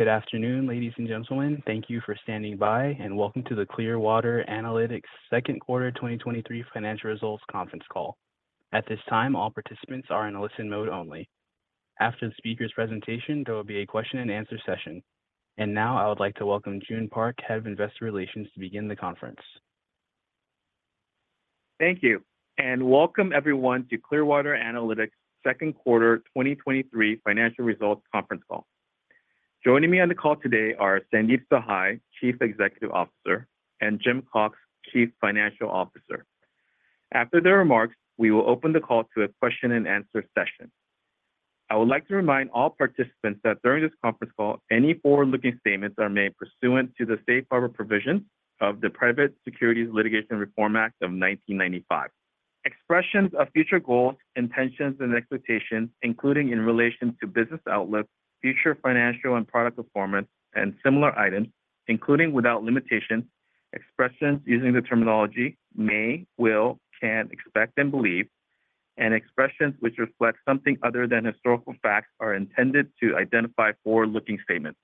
Good afternoon, ladies and gentlemen. Thank you for standing by, and welcome to the Clearwater Analytics Second Quarter 2023 financial results conference call. At this time, all participants are in listen mode only. After the speaker's presentation, there will be a question and answer session. Now I would like to welcome Joon Park, Head of Investor Relations, to begin the conference. Thank you, and welcome everyone to Clearwater Analytics second quarter 2023 financial results conference call. Joining me on the call today are Sandeep Sahai, Chief Executive Officer, and Jim Cox, Chief Financial Officer. After their remarks, we will open the call to a question and answer session. I would like to remind all participants that during this conference call, any forward-looking statements are made pursuant to the Safe Harbor provisions of the Private Securities Litigation Reform Act of 1995. Expressions of future goals, intentions, and expectations, including in relation to business outlook, future financial and product performance, and similar items, including without limitation, expressions using the terminology may, will, can, expect, and believe, and expressions which reflect something other than historical facts, are intended to identify forward-looking statements.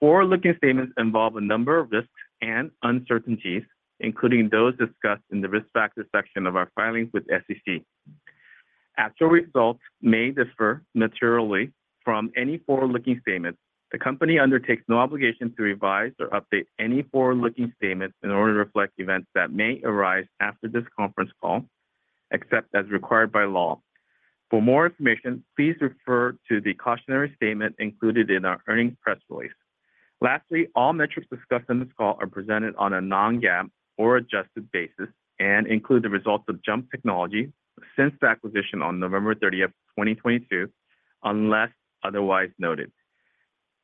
Forward-looking statements involve a number of risks and uncertainties, including those discussed in the Risk Factors section of our filings with SEC. Actual results may differ materially from any forward-looking statements. The company undertakes no obligation to revise or update any forward-looking statements in order to reflect events that may arise after this conference call, except as required by law. For more information, please refer to the cautionary statement included in our earnings press release. Lastly, all metrics discussed on this call are presented on a non-GAAP or adjusted basis and include the results of JUMP Technology since the acquisition on November 30th, 2022, unless otherwise noted.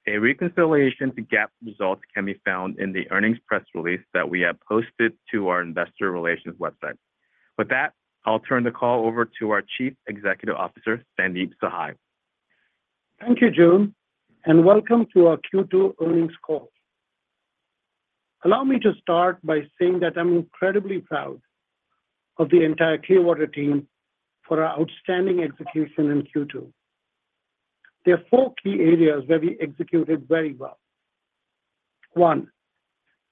A reconciliation to GAAP results can be found in the earnings press release that we have posted to our investor relations website. With that, I'll turn the call over to our Chief Executive Officer, Sandeep Sahai. Thank you, Joon, and welcome to our Q2 earnings call. Allow me to start by saying that I'm incredibly proud of the entire Clearwater team for our outstanding execution in Q2. There are 4 key areas where we executed very well. 1,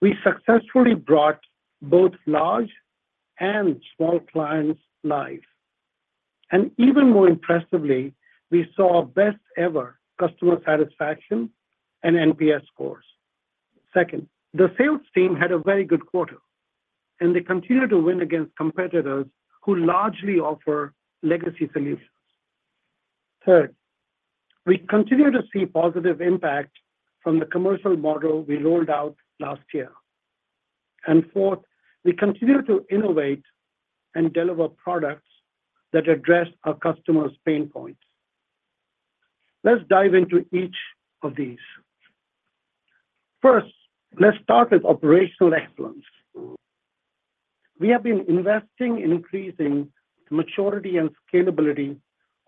we successfully brought both large and small clients live, and even more impressively, we saw our best ever customer satisfaction and NPS scores. Second, the sales team had a very good quarter, and they continued to win against competitors who largely offer legacy solutions. Third, we continue to see positive impact from the commercial model we rolled out last year. Fourth, we continue to innovate and deliver products that address our customers' pain points. Let's dive into each of these. First, let's start with operational excellence. We have been investing in increasing the maturity and scalability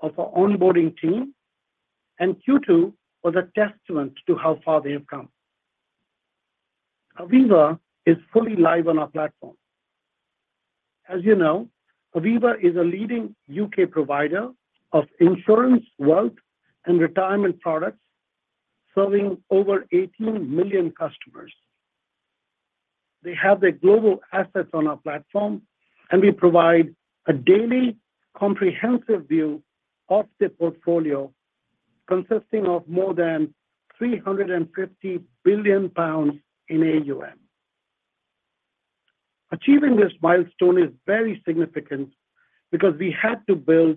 of our onboarding team, and Q2 was a testament to how far they have come. Aviva is fully live on our platform. As you know, Aviva is a leading U.K. provider of insurance, wealth, and retirement products, serving over 18 million customers. They have their global assets on our platform, and we provide a daily comprehensive view of their portfolio, consisting of more than 350 billion pounds in AUM. Achieving this milestone is very significant because we had to build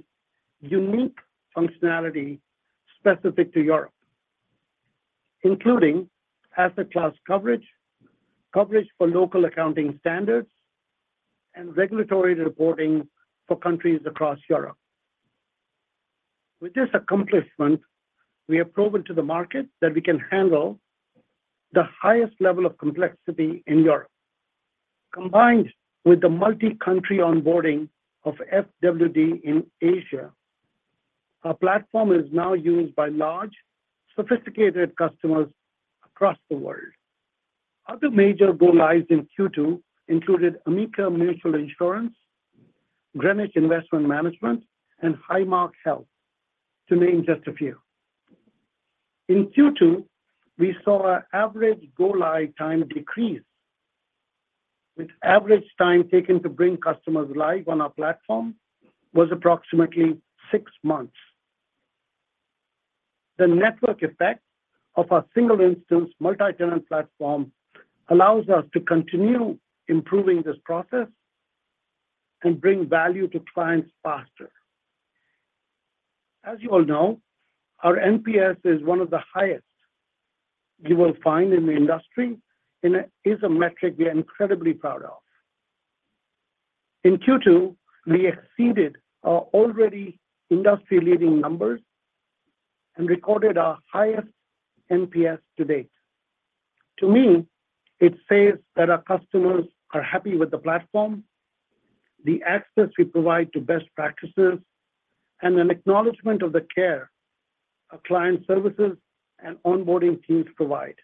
unique functionality specific to Europe, including asset class coverage, coverage for local accounting standards, and regulatory reporting for countries across Europe. With this accomplishment, we have proven to the market that we can handle the highest level of complexity in Europe. Combined with the multi-country onboarding of FWD in Asia, our platform is now used by large, sophisticated customers across the world. Other major go-lives in Q2 included Amica Mutual Insurance, Greenwich Investment Management, and Highmark Health, to name just a few. In Q2, we saw our average go-live time decrease, with average time taken to bring customers live on our platform was approximately six months. The network effect of our single-instance multi-tenant platform allows us to continue improving this process and bring value to clients faster. As you all know, our NPS is one of the highest you will find in the industry, and it is a metric we are incredibly proud of. In Q2, we exceeded our already industry-leading numbers and recorded our highest NPS to date. To me, it says that our customers are happy with the platform, the access we provide to best practices, and an acknowledgment of the care our client services and onboarding teams provide.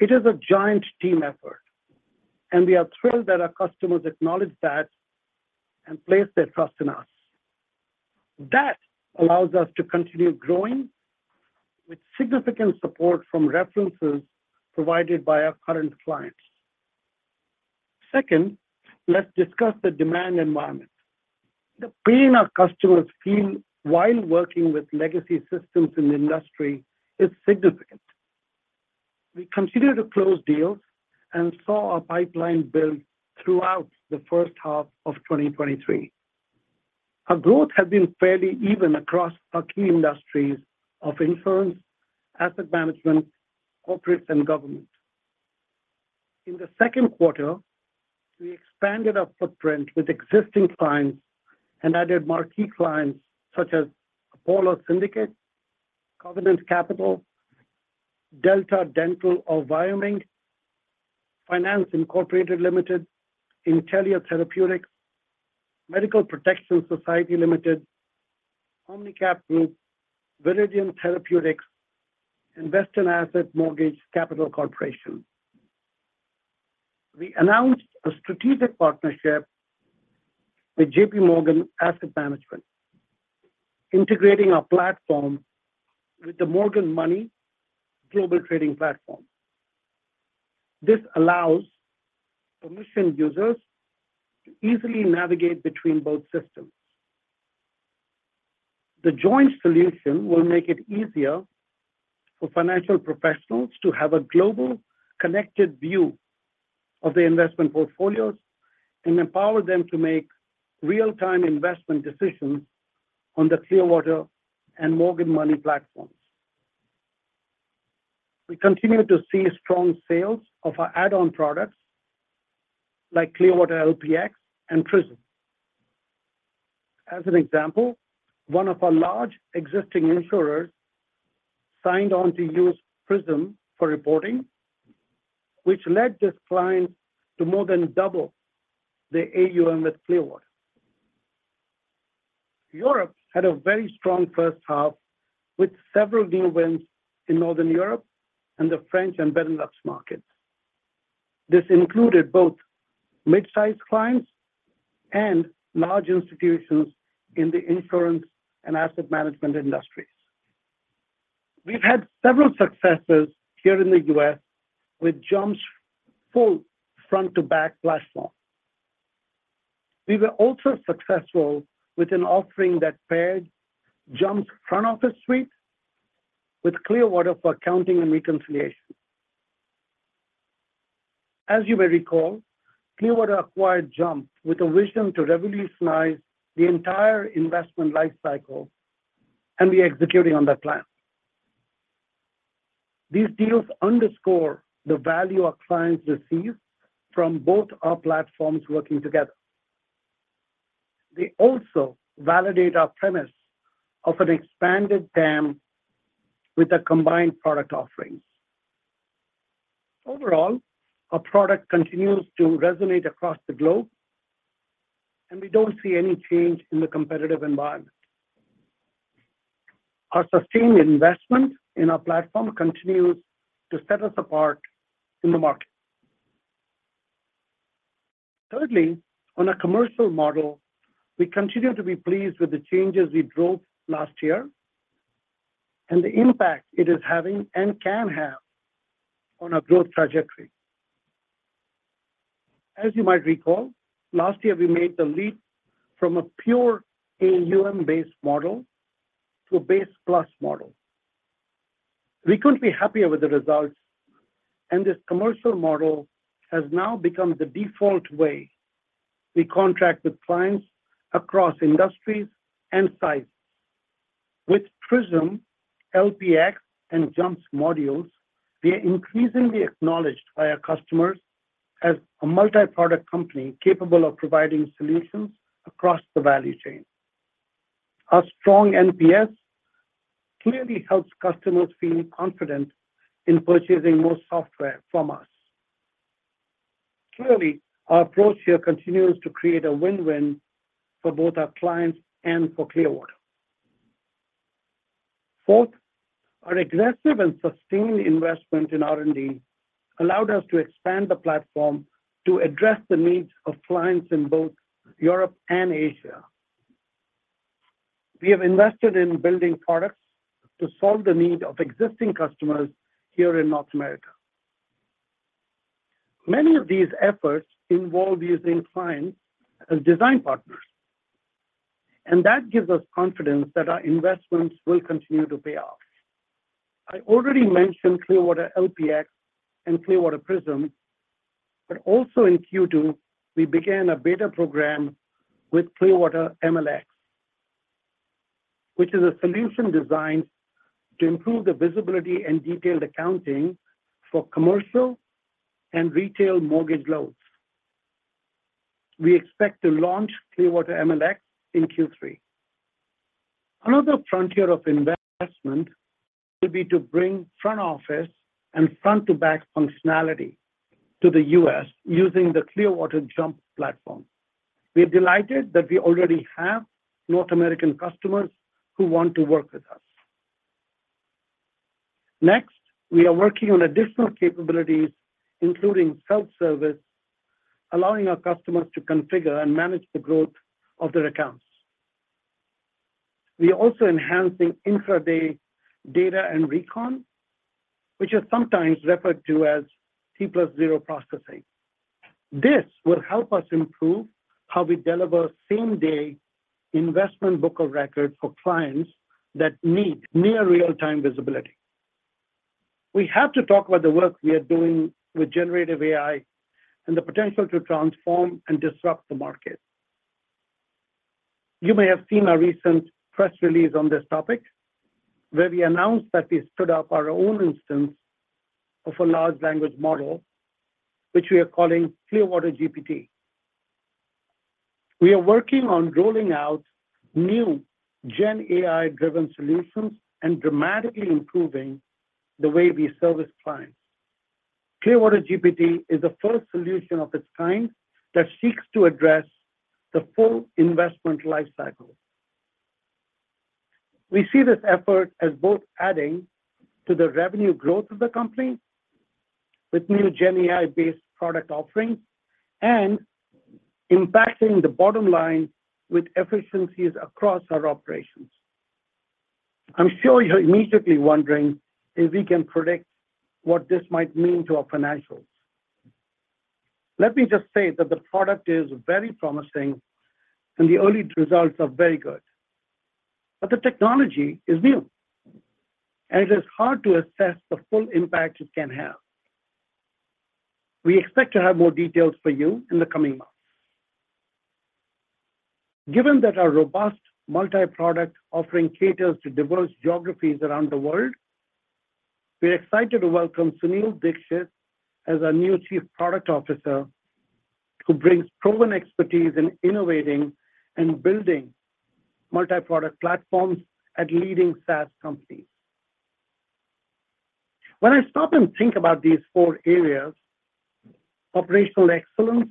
It is a giant team effort, and we are thrilled that our customers acknowledge that and place their trust in us. That allows us to continue growing with significant support from references provided by our current clients. Second, let's discuss the demand environment. The pain our customers feel while working with legacy systems in the industry is significant. We continued to close deals and saw our pipeline build throughout the first half of 2023. Our growth has been fairly even across our key industries of insurance, asset management, corporates, and government. In the second quarter, we expanded our footprint with existing clients and added marquee clients such as Apollo Syndicate, Covenant Capital, Delta Dental of Wyoming, Finance Incorporated Limited, Intellia Therapeutics, Medical Protection Society Limited, Omnicap Group, Viridian Therapeutics, Invesco Mortgage Capital Corporation. We announced a strategic partnership with JPMorgan Asset Management, integrating our platform with the Morgan Money global trading platform. This allows permission users to easily navigate between both systems. The joint solution will make it easier for financial professionals to have a global connected view of their investment portfolios and empower them to make real-time investment decisions on the Clearwater and Morgan Money platforms. We continue to see strong sales of our add-on products like Clearwater LPx and Prism. As an example, one of our large existing insurers signed on to use Prism for reporting, which led this client to more than double their AUM with Clearwater. Europe had a very strong first half with several new wins in Northern Europe and the French and Benelux markets. This included both mid-sized clients and large institutions in the insurance and asset management industries. We've had several successes here in the U.S. with JUMP's full front-to-back platform. We were also successful with an offering that paired JUMP's front office suite with Clearwater for accounting and reconciliation. As you may recall, Clearwater acquired JUMP with a vision to revolutionize the entire investment life cycle, and we are executing on that plan. These deals underscore the value our clients receive from both our platforms working together. They also validate our premise of an expanded TAM with our combined product offerings. Overall, our product continues to resonate across the globe, and we don't see any change in the competitive environment. Our sustained investment in our platform continues to set us apart in the market. Thirdly, on our commercial model, we continue to be pleased with the changes we drove last year and the impact it is having and can have on our growth trajectory. As you might recall, last year we made the leap from a pure AUM-based model to a base plus model. We couldn't be happier with the results, and this commercial model has now become the default way we contract with clients across industries and sizes. With Prism, LPx, and JUMP's modules, we are increasingly acknowledged by our customers as a multi-product company capable of providing solutions across the value chain. Our strong NPS clearly helps customers feel confident in purchasing more software from us. Clearly, our approach here continues to create a win-win for both our clients and for Clearwater. Fourth, our aggressive and sustained investment in R&D allowed us to expand the platform to address the needs of clients in both Europe and Asia. We have invested in building products to solve the need of existing customers here in North America. Many of these efforts involve using clients as design partners, and that gives us confidence that our investments will continue to pay off. I already mentioned Clearwater LPx and Clearwater Prism, but also in Q2, we began a beta program with Clearwater MLx, which is a solution designed to improve the visibility and detailed accounting for commercial and retail mortgage loans. We expect to launch Clearwater MLx in Q3. Another frontier of investment would be to bring front office and front-to-back functionality to the U.S. using the Clearwater JUMP platform. We are delighted that we already have North American customers who want to work with us. Next, we are working on additional capabilities, including self-service, allowing our customers to configure and manage the growth of their accounts. We are also enhancing intraday data and recon, which is sometimes referred to as T+0 processing. This will help us improve how we deliver same-day investment book of records for clients that need near real-time visibility. We have to talk about the work we are doing with generative AI and the potential to transform and disrupt the market. You may have seen our recent press release on this topic, where we announced that we stood up our own instance of a large language model, which we are calling Clearwater GPT. We are working on rolling out new Gen AI-driven solutions and dramatically improving the way we service clients. Clearwater-GPT is the first solution of its kind that seeks to address the full investment lifecycle. We see this effort as both adding to the revenue growth of the company with new Gen AI-based product offerings and impacting the bottom line with efficiencies across our operations. I'm sure you're immediately wondering if we can predict what this might mean to our financials. Let me just say that the product is very promising and the early results are very good, but the technology is new, and it is hard to assess the full impact it can have. We expect to have more details for you in the coming months. Given that our robust multi-product offering caters to diverse geographies around the world, we are excited to welcome Sunil Dixit as our new Chief Product Officer, who brings proven expertise in innovating and building multi-product platforms at leading SaaS companies. When I stop and think about these four areas: operational excellence,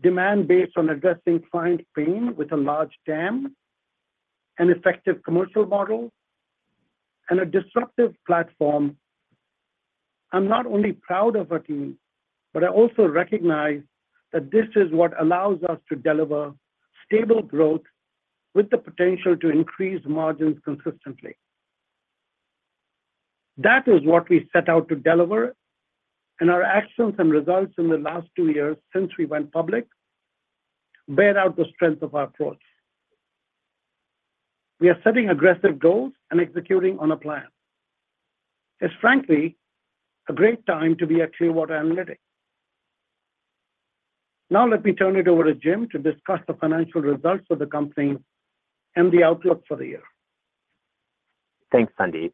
demand based on addressing client pain with a large TAM, an effective commercial model, and a disruptive platform, I'm not only proud of our team, but I also recognize that this is what allows us to deliver stable growth with the potential to increase margins consistently. That is what we set out to deliver, and our actions and results in the last two years since we went public, bear out the strength of our approach. We are setting aggressive goals and executing on a plan. It's frankly, a great time to be at Clearwater Analytics. Now, let me turn it over to Jim to discuss the financial results of the company and the outlook for the year. Thanks, Sandeep,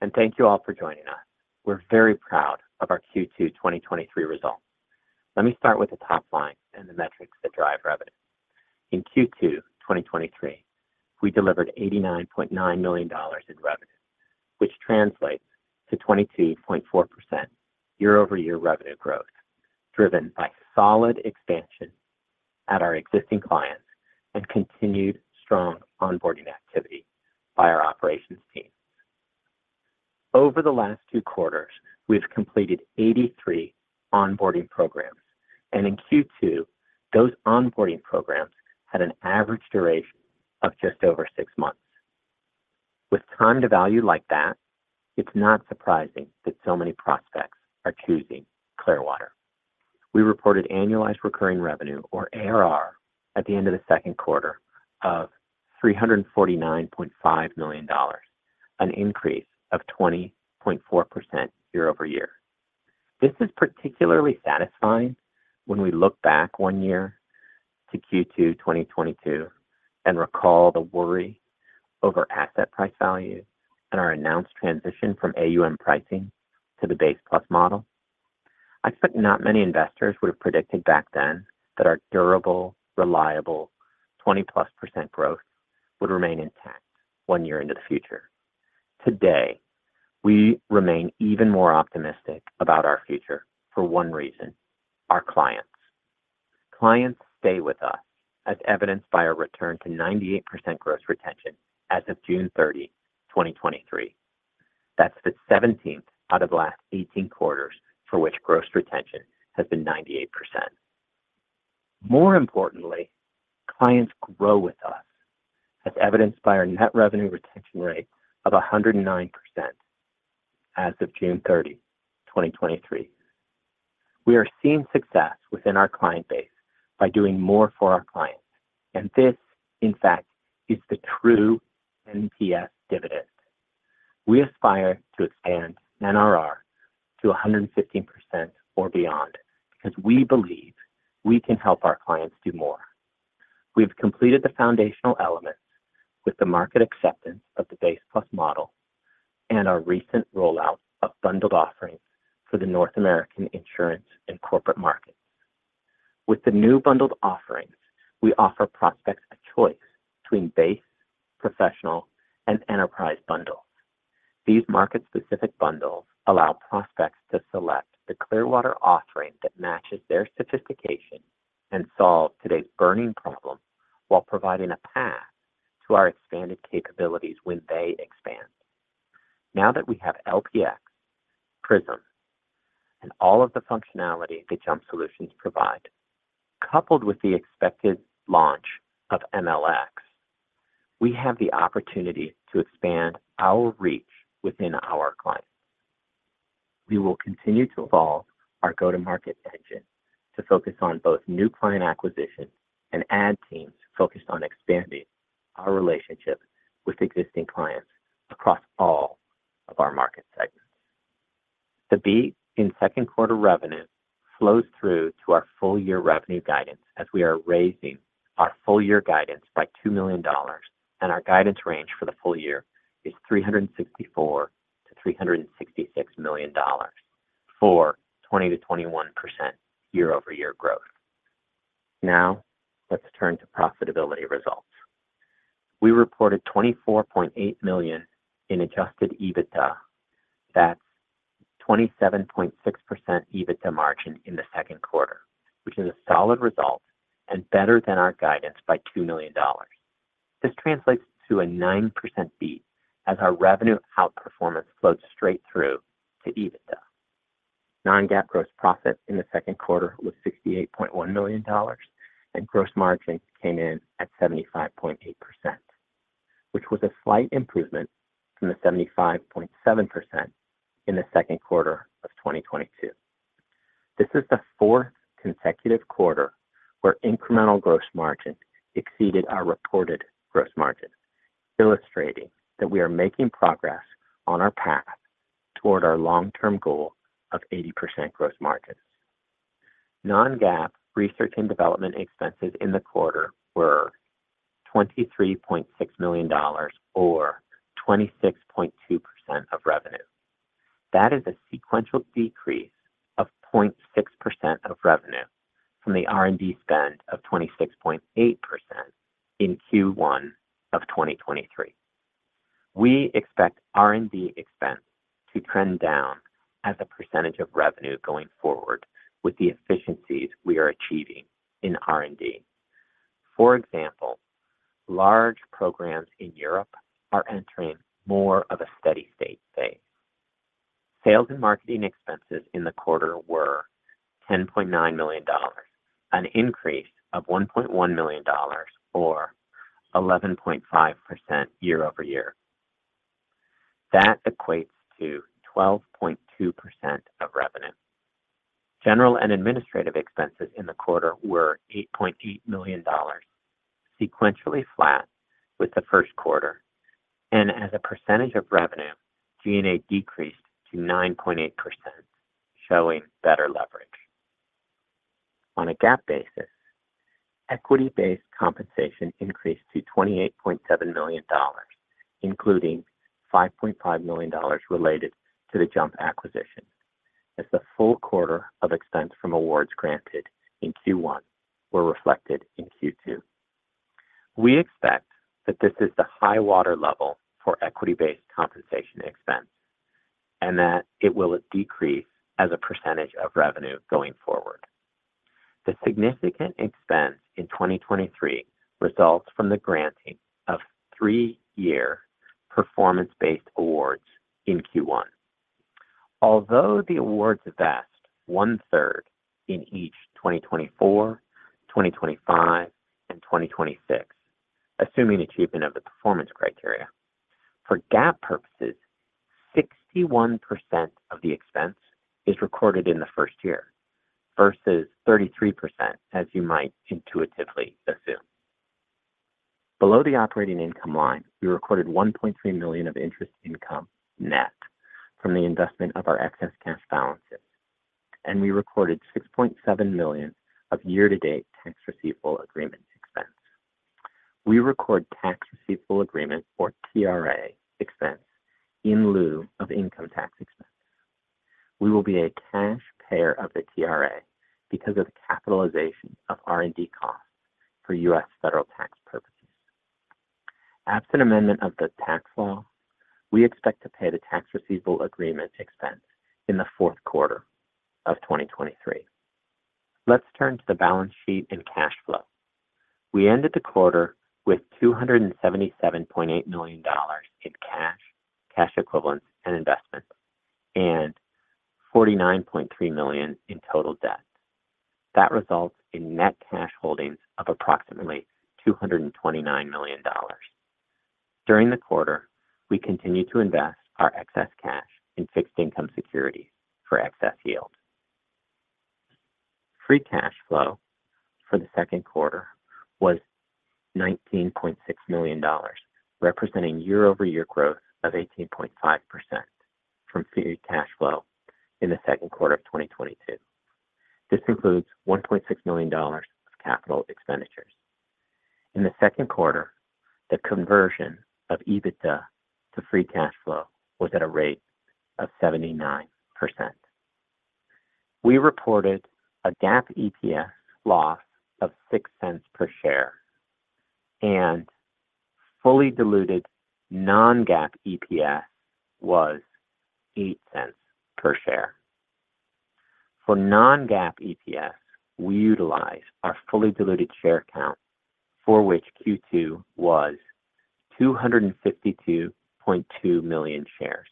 and thank you all for joining us. We're very proud of our Q2 2023 results. Let me start with the top line and the metrics that drive revenue. In Q2 2023, we delivered $89.9 million in revenue, which translates to 22.4% year-over-year revenue growth, driven by solid expansion at our existing clients and continued strong onboarding activity by our operations team. Over the last two quarters, we've completed 83 onboarding programs, and in Q2, those onboarding programs had an average duration of just over six months. With time to value like that, it's not surprising that so many prospects are choosing Clearwater. We reported annualized recurring revenue or ARR at the end of the second quarter of $349.5 million, an increase of 20.4% year-over-year. This is particularly satisfying when we look back one year to Q2 2022 and recall the worry over asset price value and our announced transition from AUM pricing to the Base Plus model. I think not many investors would have predicted back then that our durable, reliable, 20+% growth would remain intact one year into the future. Today, we remain even more optimistic about our future for one reason: our clients. Clients stay with us, as evidenced by a return to 98% gross retention as of June 30, 2023. That's the 17th out of last 18 quarters for which gross retention has been 98%. More importantly, clients grow with us, as evidenced by our net revenue retention rate of 109% as of June 30, 2023. We are seeing success within our client base by doing more for our clients, and this, in fact, is the true NPS dividend. We aspire to expand NRR to 115% or beyond because we believe we can help our clients do more. We've completed the foundational elements with the market acceptance of the Base Plus model and our recent rollout of bundled offerings for the North American insurance and corporate markets. With the new bundled offerings, we offer prospects a choice between base, professional, and enterprise bundles. These market-specific bundles allow prospects to select the Clearwater offering that matches their sophistication and solve today's burning problem.... while providing a path to our expanded capabilities when they expand. Now that we have LPx, Prism, and all of the functionality the JUMP solutions provide, coupled with the expected launch of MLx, we have the opportunity to expand our reach within our clients. We will continue to evolve our go-to-market engine to focus on both new client acquisition and add teams focused on expanding our relationship with existing clients across all of our market segments. The beat in second quarter revenue flows through to our full year revenue guidance as we are raising our full year guidance by $2 million, Our guidance range for the full year is $364 million-$366 million for 20%-21% year-over-year growth. Now, let's turn to profitability results. We reported $24.8 million in adjusted EBITDA. That's 27.6% EBITDA margin in the second quarter, which is a solid result and better than our guidance by $2 million. This translates to a 9% beat as our revenue outperformance flows straight through to EBITDA. Non-GAAP gross profit in the second quarter was $68.1 million, and gross margin came in at 75.8%, which was a slight improvement from the 75.7% in the second quarter of 2022. This is the fourth consecutive quarter where incremental gross margin exceeded our reported gross margin, illustrating that we are making progress on our path toward our long-term goal of 80% gross margin. Non-GAAP research and development expenses in the quarter were $23.6 million or 26.2% of revenue. That is a sequential decrease of 0.6% of revenue from the R&D spend of 26.8% in Q1 of 2023. We expect R&D expense to trend down as a percentage of revenue going forward with the efficiencies we are achieving in R&D. For example, large programs in Europe are entering more of a steady-state phase. Sales and marketing expenses in the quarter were $10.9 million, an increase of $1.1 million or 11.5% year-over-year. That equates to 12.2% of revenue. General and administrative expenses in the quarter were $8.8 million, sequentially flat with the first quarter, and as a percentage of revenue, G&A decreased to 9.8%, showing better leverage. On a GAAP basis, equity-based compensation increased to $28.7 million, including $5.5 million related to the JUMP acquisition, as the full quarter of expense from awards granted in Q1 were reflected in Q2. We expect that this is the high water level for equity-based compensation expense and that it will decrease as a % of revenue going forward. The significant expense in 2023 results from the granting of 3-year performance-based awards in Q1. Although the awards vest 1/3 in each 2024, 2025, and 2026, assuming achievement of the performance criteria, for GAAP purposes, 61% of the expense is recorded in the 1st year versus 33%, as you might intuitively assume. Below the operating income line, we recorded $1.3 million of interest income net from the investment of our excess cash balances. We recorded $6.7 million of year-to-date tax receivable agreement expense. We record tax receivable agreement or TRA expense in lieu of income tax expense. We will be a cash payer of the TRA because of the capitalization of R&D costs for U.S. federal tax purposes. Absent amendment of the tax law, we expect to pay the tax receivable agreement expense in the fourth quarter of 2023. Let's turn to the balance sheet and cash flow. We ended the quarter with $277.8 million in cash, cash equivalents, and investments, and $49.3 million in total debt. That results in net cash holdings of approximately $229 million. During the quarter, we continued to invest our excess cash in fixed income securities for excess yield. Free cash flow for the second quarter was $19.6 million, representing year-over-year growth of 18.5% from free cash flow in the second quarter of 2022. This includes $1.6 million of capital expenditures. In the second quarter, the conversion of EBITDA to free cash flow was at a rate of 79%. We reported a GAAP EPS loss of $0.06 per share, and fully diluted non-GAAP EPS was $0.08 per share. For non-GAAP EPS, we utilize our fully diluted share count, for which Q2 was 252.2 million shares.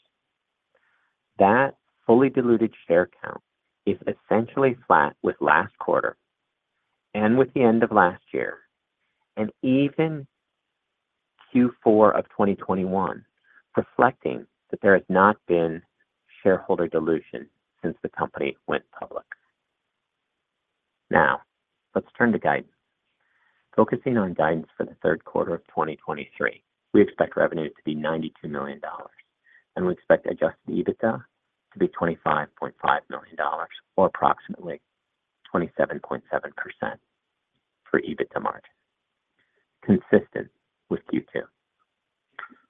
That fully diluted share count is essentially flat with last quarter and with the end of last year, and even Q4 of 2021, reflecting that there has not been shareholder dilution since the company went public. Now, let's turn to guidance. Focusing on guidance for the third quarter of 2023, we expect revenue to be $92 million, and we expect adjusted EBITDA to be $25.5 million, or approximately 27.7% for EBITDA margin, consistent with Q2.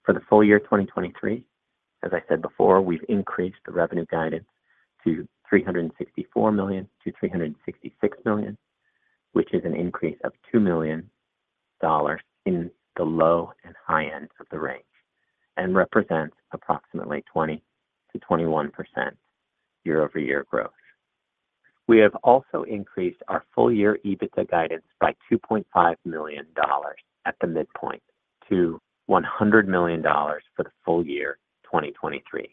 For the full year 2023, as I said before, we've increased the revenue guidance to $364 million-$366 million, which is an increase of $2 million in the low and high end of the range and represents approximately 20%-21% year-over-year growth. We have also increased our full year EBITDA guidance by $2.5 million at the midpoint to $100 million for the full year 2023.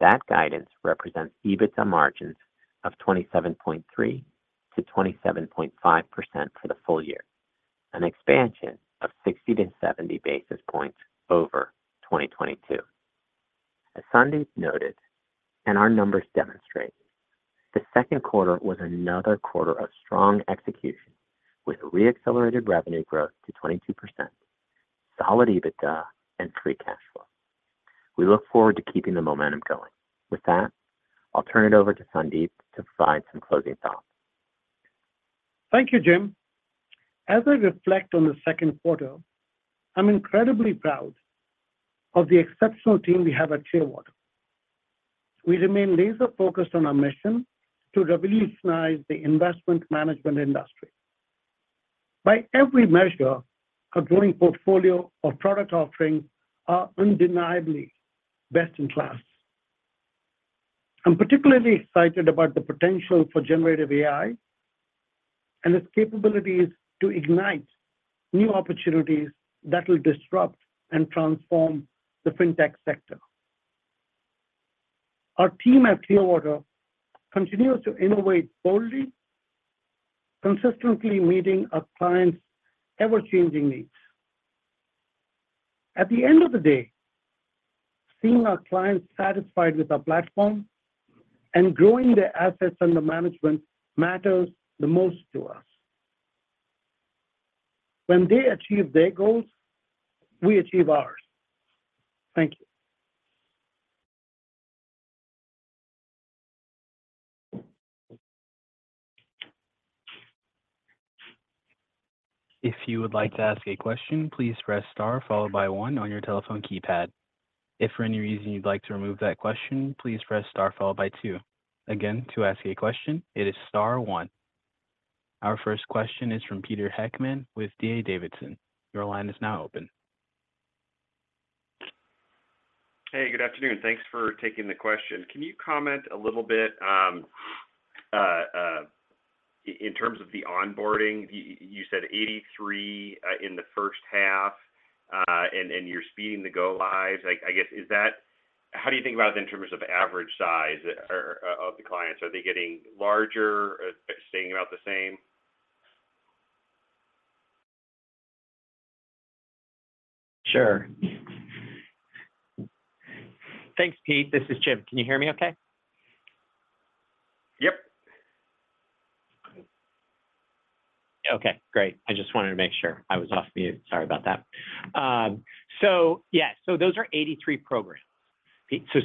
That guidance represents EBITDA margins of 27.3%-27.5% for the full year, an expansion of 60-70 basis points over 2022. As Sandeep noted, and our numbers demonstrate, the second quarter was another quarter of strong execution, with re-accelerated revenue growth to 22%, solid EBITDA, and free cash flow. We look forward to keeping the momentum going. With that, I'll turn it over to Sandeep to provide some closing thoughts. Thank you, Jim. As I reflect on the second quarter, I'm incredibly proud of the exceptional team we have at Clearwater. We remain laser-focused on our mission to revolutionize the investment management industry. By every measure, our growing portfolio of product offerings are undeniably best in class. I'm particularly excited about the potential for generative AI and its capabilities to ignite new opportunities that will disrupt and transform the fintech sector. Our team at Clearwater continues to innovate boldly, consistently meeting our clients' ever-changing needs. At the end of the day, seeing our clients satisfied with our platform and growing their assets under management matters the most to us. When they achieve their goals, we achieve ours. Thank you. If you would like to ask a question, please press Star followed by one on your telephone keypad. If for any reason you'd like to remove that question, please press Star followed by two. Again, to ask a question, it is Star one. Our first question is from Peter Heckmann with D.A. Davidson. Your line is now open. Hey, good afternoon. Thanks for taking the question. Can you comment a little bit in terms of the onboarding? You said 83 in the first half, and you're speeding the go lives. Like, I guess, how do you think about it in terms of average size or of the clients? Are they getting larger, staying about the same? Sure. Thanks, Pete. This is Jim. Can you hear me okay? Yep. Okay, great. I just wanted to make sure. I was off mute. Sorry about that. Yeah, so those are 83 programs.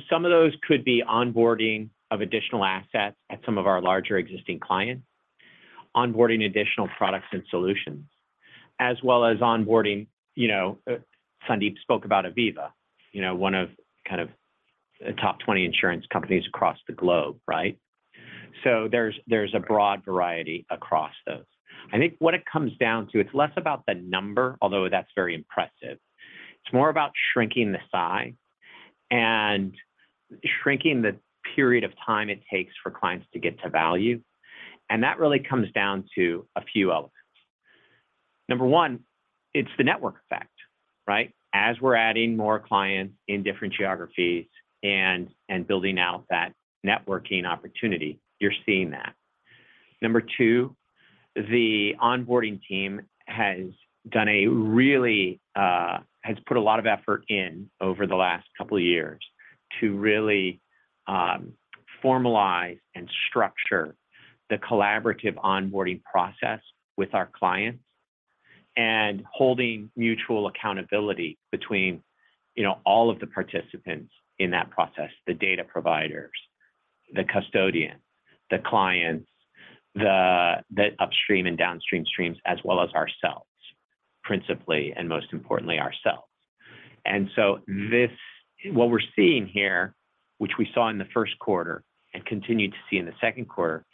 Some of those could be onboarding of additional assets at some of our larger existing clients, onboarding additional products and solutions, as well as onboarding, you know... Sandeep spoke about Aviva, you know, one of kind of the top 20 insurance companies across the globe, right? There's, there's a broad variety across those. I think what it comes down to, it's less about the number, although that's very impressive. It's more about shrinking the size and shrinking the period of time it takes for clients to get to value, and that really comes down to a few elements. Number one, it's the network effect, right? As we're adding more clients in different geographies and, and building out that networking opportunity, you're seeing that. Number two, the onboarding team has done a really, has put a lot of effort in over the last couple of years to really, formalize and structure the collaborative onboarding process with our clients and holding mutual accountability between, you know, all of the participants in that process: the data providers, the custodian, the clients, the, the upstream and downstream streams, as well as ourselves, principally and most importantly, ourselves. This, what we're seeing here, which we saw in the first quarter and continued to see in the second quarter,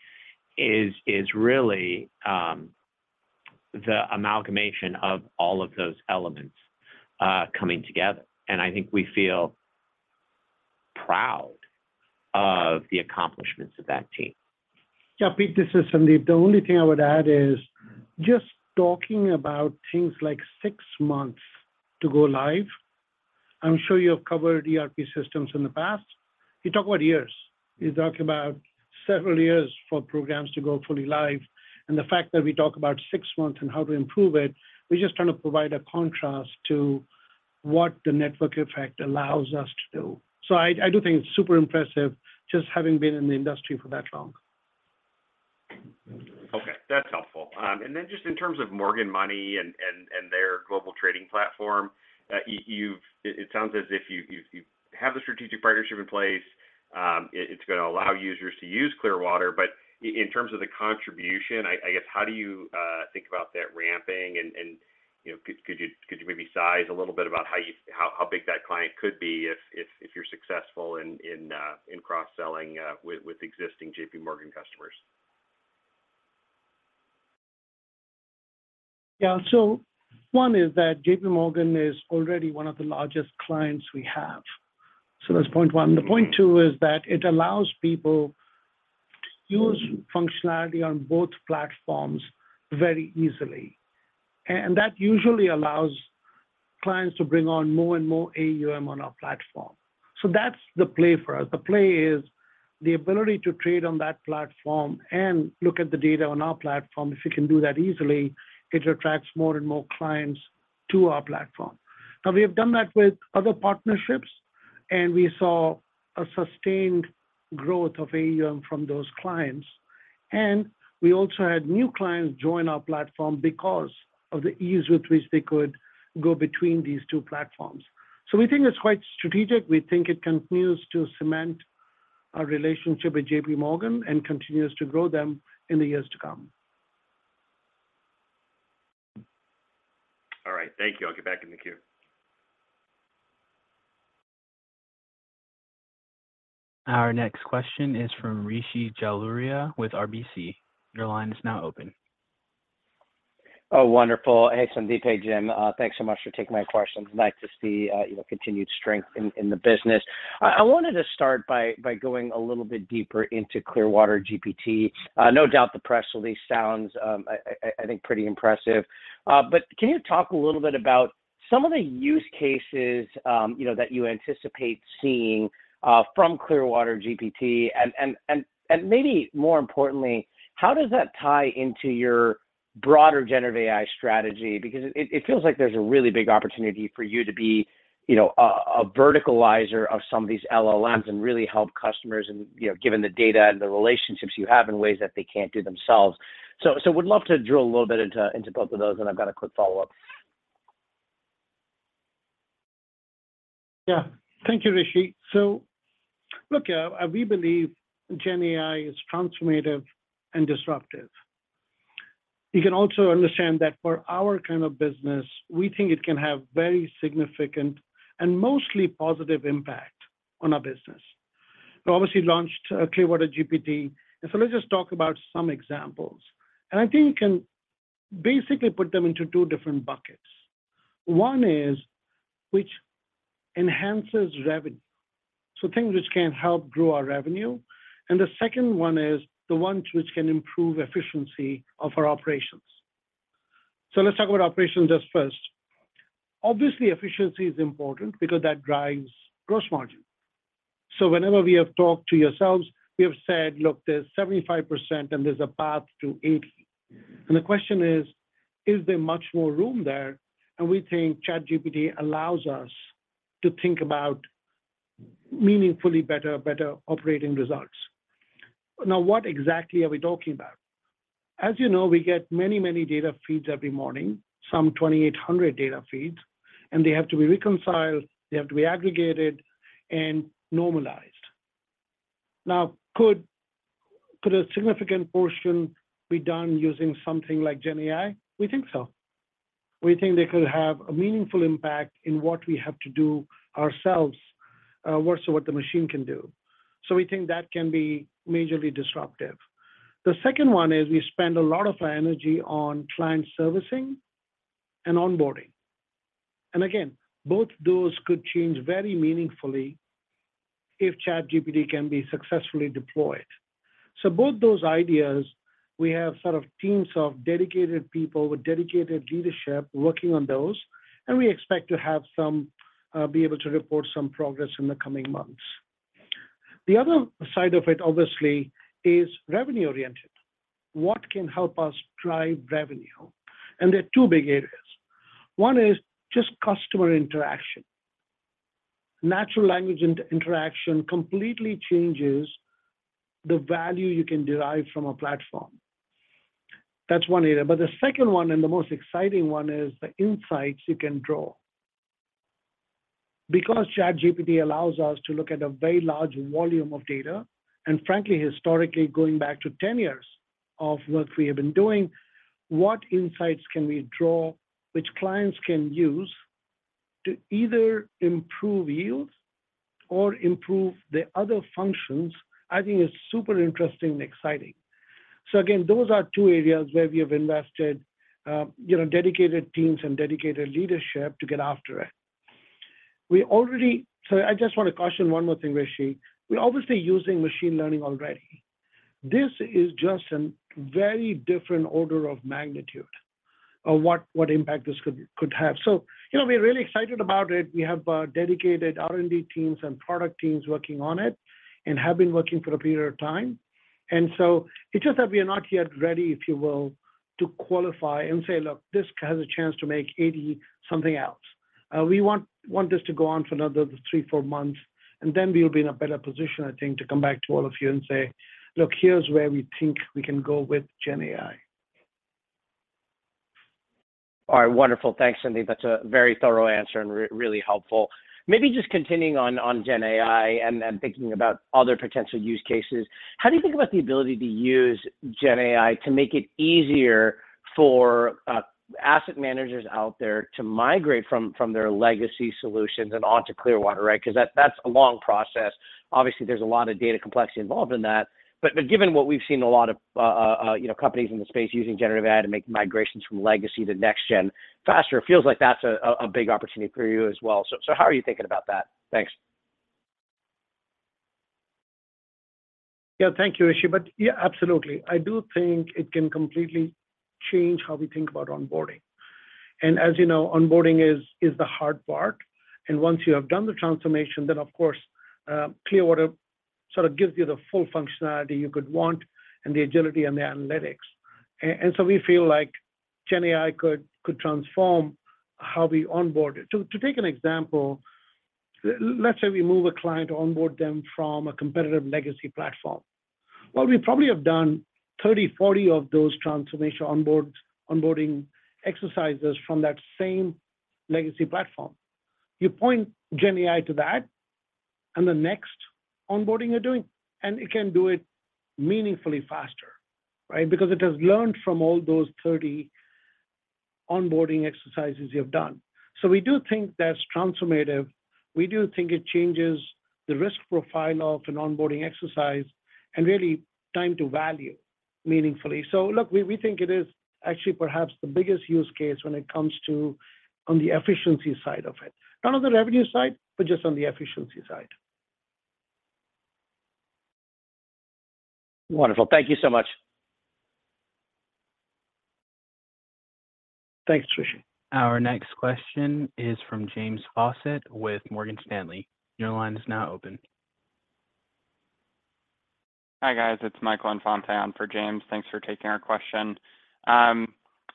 is, is really, the amalgamation of all of those elements, coming together, and I think we feel proud of the accomplishments of that team. Yeah, Pete, this is Sandeep. The only thing I would add is just talking about things like 6 months to go live, I'm sure you have covered ERP systems in the past. You talk about years. You're talking about several years for programs to go fully live, and the fact that we talk about 6 months and how to improve it, we're just trying to provide a contrast to what the network effect allows us to do. I, I do think it's super impressive just having been in the industry for that long. Okay, that's helpful. Then just in terms of Morgan Money and their global trading platform, it sounds as if you have the strategic partnership in place. It's gonna allow users to use Clearwater. In terms of the contribution, I guess, how do you think about that ramping? You know, could you maybe size a little bit about how big that client could be if you're successful in cross-selling with existing JPMorgan customers? Yeah. One is that JPMorgan is already one of the largest clients we have. The point 2 is that it allows people to use functionality on both platforms very easily, and that usually allows clients to bring on more and more AUM on our platform. That's the play for us. The play is the ability to trade on that platform and look at the data on our platform. If you can do that easily, it attracts more and more clients to our platform. Now, we have done that with other partnerships, and we saw a sustained growth of AUM from those clients. We also had new clients join our platform because of the ease with which they could go between these two platforms. We think it's quite strategic. We think it continues to cement our relationship with JPMorgan continues to grow them in the years to come. All right. Thank you. I'll get back in the queue. Our next question is from Rishi Jaluria with RBC. Your line is now open. Oh, wonderful. Hey, Sandeep. Hey, Jim. Thanks so much for taking my questions. Nice to see, you know, continued strength in the business. I wanted to start by going a little bit deeper into Clearwater-GPT. No doubt the press release sounds, I think, pretty impressive. But can you talk a little bit about some of the use cases, you know, that you anticipate seeing, from Clearwater-GPT? And maybe more importantly, how does that tie into your broader generative AI strategy? Because it feels like there's a really big opportunity for you to be, you know, a verticalizer of some of these LLMs and really help customers and, you know, given the data and the relationships you have in ways that they can't do themselves? so would love to drill a little bit into, into both of those, and I've got a quick follow-up. Yeah. Thank you, Rishi. Look, we believe GenAI is transformative and disruptive. You can also understand that for our kind of business, we think it can have very significant and mostly positive impact on our business. We obviously launched Clearwater-GPT. Let's just talk about some examples. I think you can basically put them into two different buckets. One is which enhances revenue, so, things which can help grow our revenue. The second one is the ones which can improve efficiency of our operations. Let's talk about operations just first. Obviously, efficiency is important because that drives gross margin. Whenever we have talked to yourselves, we have said, "Look, there's 75%, and there's a path to 80." The question is: Is there much more room there? We think ChatGPT allows us to think about meaningfully better, better operating results. What exactly are we talking about? As you know, we get many, many data feeds every morning, some 2,800 data feeds, and they have to be reconciled, they have to be aggregated and normalized. Could a significant portion be done using something like GenAI? We think so. We think they could have a meaningful impact in what we have to do ourselves versus what the machine can do. We think that can be majorly disruptive. The second one is we spend a lot of our energy on client servicing and onboarding, and again, both those could change very meaningfully if ChatGPT can be successfully deployed. Both those ideas, we have sort of teams of dedicated people with dedicated leadership working on those, and we expect to have some, be able to report some progress in the coming months. The other side of it, obviously, is revenue-oriented. What can help us drive revenue? There are two big areas. One is just customer interaction. Natural language inter-interaction completely changes the value you can derive from a platform. That's one area, but the second one, and the most exciting one, is the insights you can draw. ChatGPT allows us to look at a very large volume of data, and frankly, historically, going back to 10 years of work we have been doing, what insights can we draw which clients can use to either improve yields or improve the other functions, I think is super interesting and exciting. Again, those are two areas where we have invested, you know, dedicated teams and dedicated leadership to get after it. I just want to caution one more thing, Rishi. We're obviously using machine learning already. This is just a very different order of magnitude of what, what impact this could, could have. You know, we're really excited about it. We have dedicated R&D teams and product teams working on it and have been working for a period of time. So it's just that we are not yet ready, if you will, to qualify and say, "Look, this has a chance to make 80 something else." We want, want this to go on for another 3, 4 months, and then we'll be in a better position, I think, to come back to all of you and say, "Look, here's where we think we can go with GenAI. All right. Wonderful. Thanks, Sandeep. That's a very thorough answer and really helpful. Maybe just continuing on, on GenAI and, and thinking about other potential use cases, how do you think about the ability to use GenAI to make it easier for asset managers out there to migrate from, from their legacy solutions and onto Clearwater, right? Because that's a long process. Obviously, there's a lot of data complexity involved in that. Given what we've seen, a lot of, you know, companies in the space using generative AI to make migrations from legacy to next gen faster, it feels like that's a, a big opportunity for you as well. How are you thinking about that? Thanks. Yeah. Thank you, Rishi. Yeah, absolutely. I do think it can completely change how we think about onboarding. As you know, onboarding is, is the hard part, and once you have done the transformation, then of course, Clearwater sort of gives you the full functionality you could want and the agility and the analytics. So we feel like GenAI could, could transform how we onboard it. To take an example, let's say we move a client to onboard them from a competitive legacy platform. Well, we probably have done 30, 40 of those transformation onboarding exercises from that same legacy platform. You point GenAI to that, and the next onboarding you're doing, and it can do it meaningfully faster, right? Because it has learned from all those 30 onboarding exercises you have done. We do think that's transformative. We do think it changes the risk profile of an onboarding exercise and really time to value meaningfully. Look, we, we think it is actually perhaps the biggest use case when it comes to on the efficiency side of it. Not on the revenue side, but just on the efficiency side. Wonderful. Thank you so much. Thanks, Rishi. Our next question is from James Faucette with Morgan Stanley. Your line is now open. Hi, guys. It's Michael Infante on for James. Thanks for taking our question. I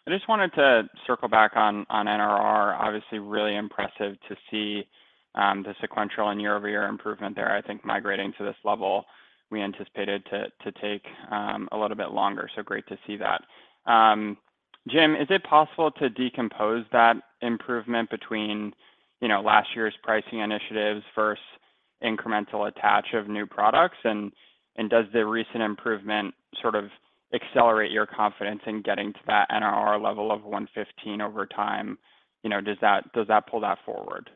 just wanted to circle back on, on NRR. Obviously, really impressive to see, the sequential and year-over-year improvement there. I think migrating to this level, we anticipated to, to take, a little bit longer. So great to see that. Jim, is it possible to decompose that improvement between, you know, last year's pricing initiatives versus incremental attach of new products? Does the recent improvement sort of accelerate your confidence in getting to that NRR level of 115 over time? You know, does that, does that pull that forward?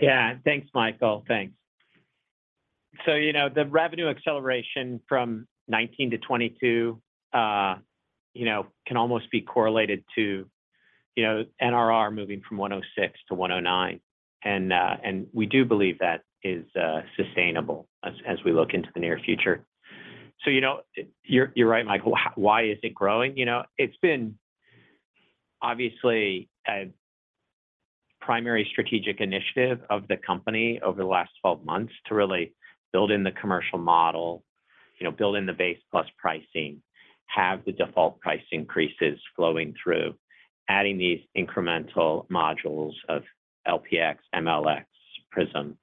Yeah. Thanks, Michael. Thanks. You know, the revenue acceleration from 19-22, you know, can almost be correlated to, you know, NRR moving from 106-109. We do believe that is sustainable as we look into the near future. You know, you're, you're right, Michael. Why is it growing? You know, it's been obviously a primary strategic initiative of the company over the last 12 months to really build in the commercial model, you know, build in the Base Plus pricing, have the default price increases flowing through, adding these incremental modules of LPx, MLx, Prism.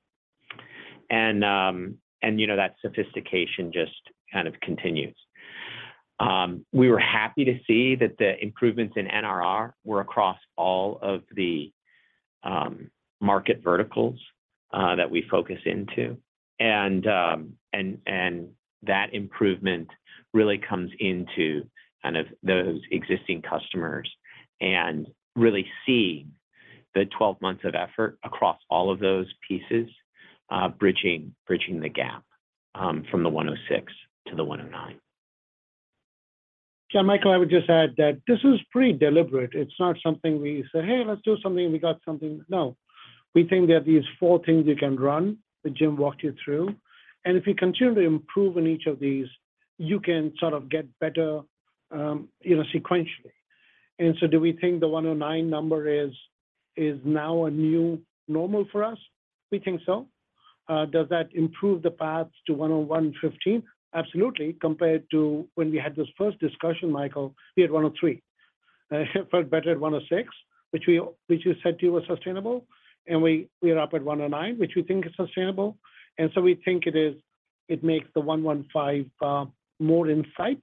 You know, that sophistication just kind of continues. We were happy to see that the improvements in NRR were across all of the market verticals that we focus into. That improvement really comes into kind of those existing customers and really seeing the 12 months of effort across all of those pieces, bridging, bridging the gap, from the 106 to the 109. Yeah, Michael, I would just add that this is pretty deliberate. It's not something we say, "Hey, let's do something, we got something." No, we think there are these four things you can run, that Jim walked you through, and if you continue to improve on each of these, you can sort of get better, you know, sequentially. Do we think the 109 number is, is now a new normal for us? We think so. Does that improve the path to 115? Absolutely. Compared to when we had this first discussion, Michael, we had 103. It felt better at 106, which we said to you was sustainable, and we, we are up at 109, which we think is sustainable. We think it is... It makes the 115 more in sight.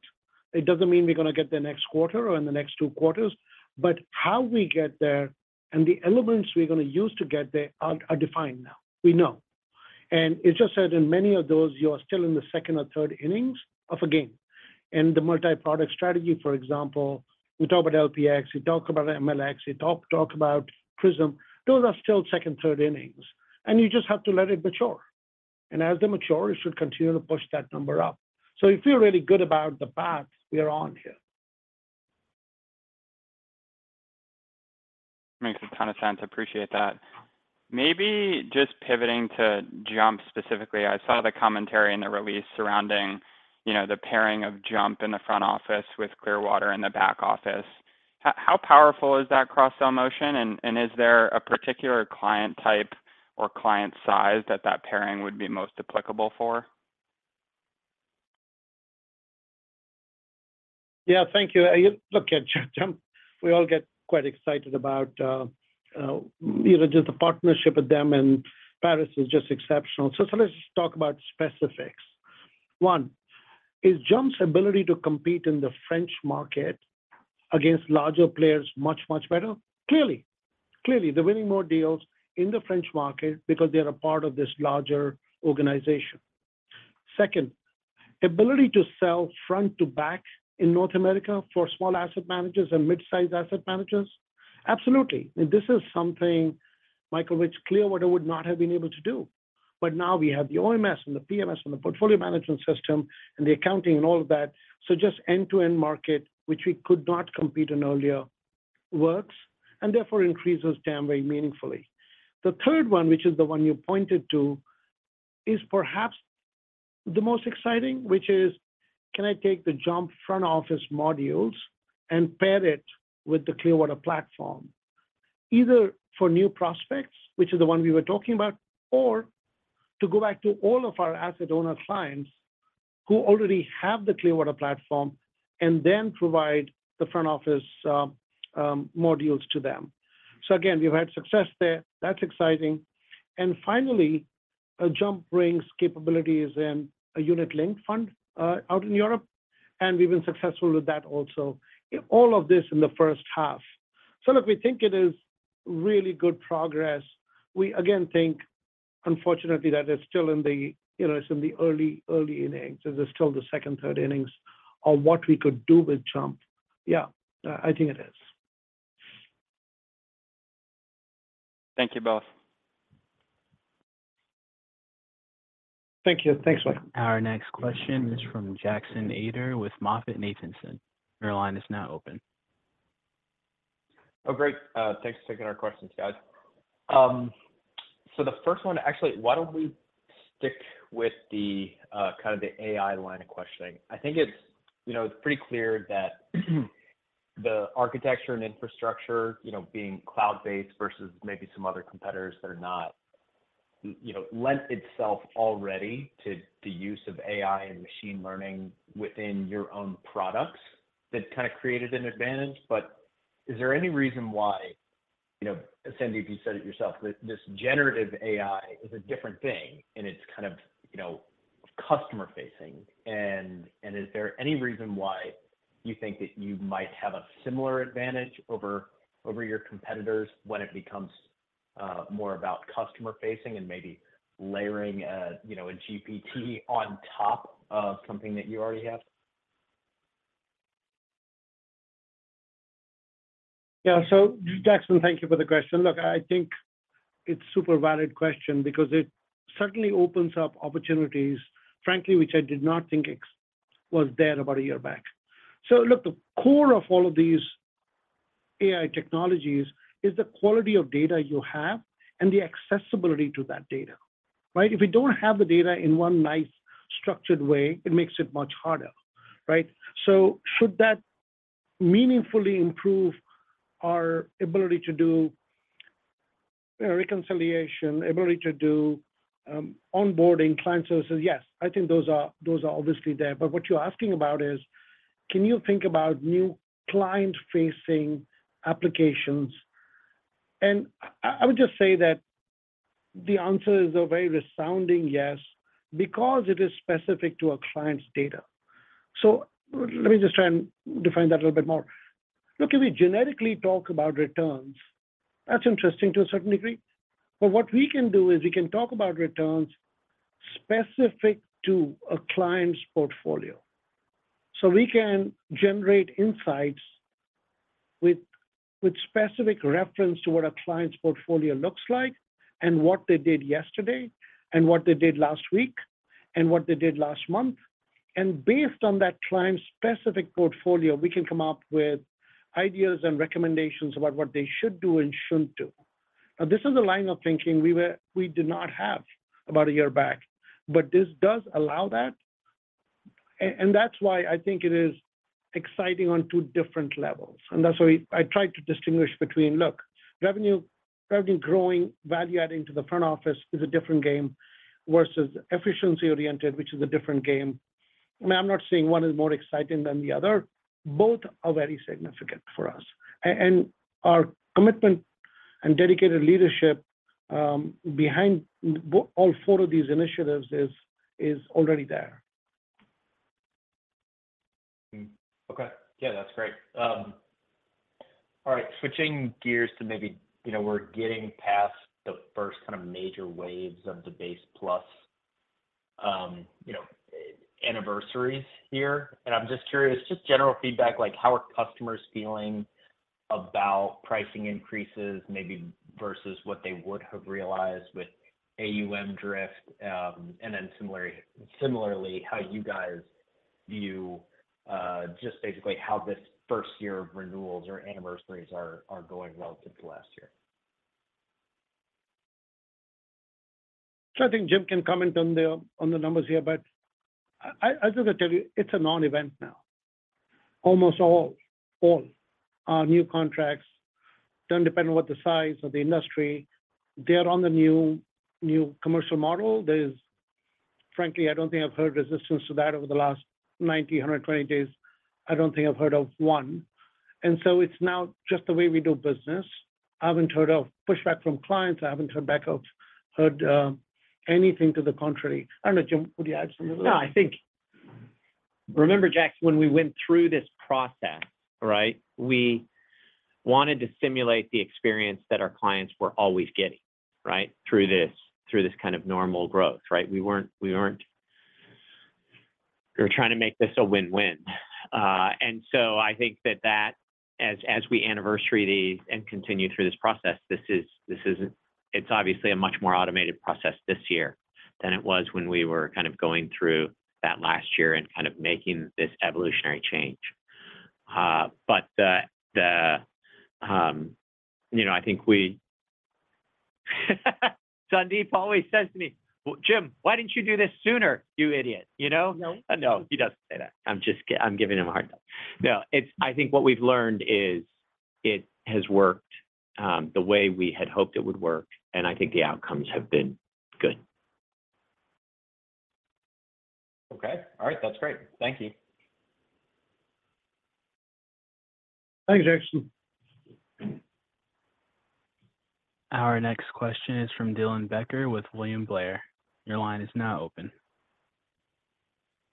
It doesn't mean we're gonna get the next quarter or in the next 2 quarters, but how we get there and the elements we're gonna use to get there are defined now. We know. It's just that in many of those, you are still in the second or third innings of a game. In the multi-product strategy, for example, we talk about LPx, we talk about MLx, we talk about Prism. Those are still second, third innings, and you just have to let it mature. As they mature, it should continue to push that number up. We feel really good about the path we are on here. Makes a ton of sense. Appreciate that. Maybe just pivoting to JUMP specifically, I saw the commentary in the release surrounding, you know, the pairing of JUMP in the front office with Clearwater in the back office. How powerful is that cross-sell motion, and is there a particular client type or client size that that pairing would be most applicable for? Yeah. Thank you. You look at JUMP, we all get quite excited about, you know, just the partnership with them, and Paris is just exceptional. Let's just talk about specifics. One, is JUMP's ability to compete in the French market against larger players much, much better? Clearly. Clearly, they're winning more deals in the French market because they are a part of this larger organization. Second, ability to sell front to back in North America for small asset managers and mid-sized asset managers? Absolutely, and this is something, Michael, which Clearwater would not have been able to do. Now we have the OMS and the PMS and the portfolio management system and the accounting and all of that. Just end-to-end market, which we could not compete in earlier, works and therefore increases damn very meaningfully. The third one, which is the one you pointed to, is perhaps the most exciting, which is, can I take the JUMP front office modules and pair it with the Clearwater platform, either for new prospects, which is the one we were talking about, or to go back to all of our asset owner clients who already have the Clearwater platform and then provide the front office modules to them? Again, we've had success there. That's exciting. Finally, JUMP brings capabilities in a unit linked fund out in Europe, and we've been successful with that also. All of this in the first half. Look, we think it is really good progress. We again think, unfortunately, that it's still in the, you know, it's in the early, early innings. This is still the second, third innings of what we could do with JUMP. Yeah, I think it is. Thank you both. Thank you. Thanks, Michael. Our next question is from Jackson Ader with MoffettNathanson. Your line is now open. Oh, great. Thanks for taking our questions, guys. The first one, actually, why don't we stick with the kind of the AI line of questioning? I think it's, you know, it's pretty clear that the architecture and infrastructure, you know, being cloud-based versus maybe some other competitors that are not, you know, lent itself already to the use of AI and machine learning within your own products. That kind of created an advantage. Is there any reason why... You know, Sandy, you said it yourself, that this generative AI is a different thing, and it's kind of, you know, customer-facing. Is there any reason why you think that you might have a similar advantage over, over your competitors when it becomes more about customer-facing and maybe layering a, you know, a GPT on top of something that you already have? Yeah. Jackson, thank you for the question. Look, I think it's super valid question because it certainly opens up opportunities, frankly, which I did not think ex- was there about a year back. Look, the core of all of these AI technologies is the quality of data you have and the accessibility to that data, right? If you don't have the data in one nice, structured way, it makes it much harder, right? Should that meaningfully improve our ability to do reconciliation, ability to do onboarding client services? Yes, I think those are, those are obviously there. What you're asking about is, can you think about new client-facing applications? I-I would just say that the answer is a very resounding yes, because it is specific to a client's data. Let me just try and define that a little bit more. Look, if we generically talk about returns, that's interesting to a certain degree. What we can do is we can talk about returns specific to a client's portfolio. We can generate insights with, with specific reference to what a client's portfolio looks like, and what they did yesterday, and what they did last week, and what they did last month. Based on that client's specific portfolio, we can come up with ideas and recommendations about what they should do and shouldn't do. Now, this is a line of thinking we did not have about a year back, but this does allow that. That's why I think it is exciting on two different levels. That's why I tried to distinguish between, look, revenue, revenue growing, value adding to the front office is a different game versus efficiency-oriented, which is a different game. I'm not saying one is more exciting than the other. Both are very significant for us. Our commitment and dedicated leadership behind all four of these initiatives is, is already there. Okay. Yeah, that's great. All right, switching gears to maybe, you know, we're getting past the first kind of major waves of the Base Plus, you know, anniversaries here. I'm just curious, just general feedback, like, how are customers feeling about pricing increases maybe versus what they would have realized with AUM drift? Similarly, similarly, how you guys view, just basically how this first year of renewals or anniversaries are, are going relative to last year. I think Jim can comment on the, on the numbers here, but I, I just gonna tell you, it's a non-event now. Almost all, all our new contracts, don't depend on what the size or the industry, they are on the new, new commercial model. frankly, I don't think I've heard resistance to that over the last 90, 120 days. I don't think I've heard of one, it's now just the way we do business. I haven't heard of pushback from clients. I haven't heard anything to the contrary. I don't know, Jim, would you add something? No, I think... Remember, Jackson, when we went through this process, right? We wanted to simulate the experience that our clients were always getting, right? Through this, through this kind of normal growth, right? We weren't trying to make this a win-win. I think that as we anniversary these and continue through this process, this is, it's obviously a much more automated process this year than it was when we were kind of going through that last year and kind of making this evolutionary change. You know, I think we, Sandeep always says to me, "Jim, why didn't you do this sooner, you idiot?" You know? No. No, he doesn't say that. I'm just I'm giving him a hard time. No, it's I think what we've learned is it has worked, the way we had hoped it would work, and I think the outcomes have been good. Okay. All right. That's great. Thank you. Thanks, Jackson. Our next question is from Dylan Becker with William Blair. Your line is now open.